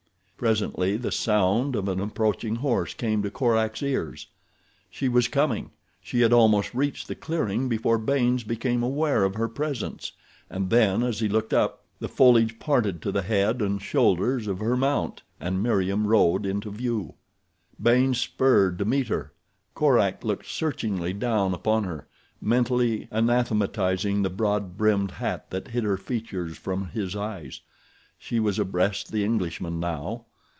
Presently the sound of an approaching horse came to Korak's ears. She was coming! She had almost reached the clearing before Baynes became aware of her presence, and then as he looked up, the foliage parted to the head and shoulders of her mount and Meriem rode into view. Baynes spurred to meet her. Korak looked searchingly down upon her, mentally anathematizing the broad brimmed hat that hid her features from his eyes. She was abreast the Englishman now.